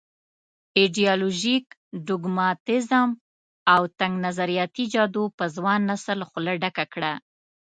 ایډیالوژيک ډوګماتېزم او تنګ نظریاتي جادو په ځوان نسل خوله ډکه کړه.